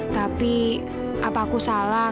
tapi apa aku salah